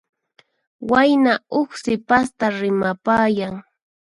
Wayna huk sipasta rimapayan.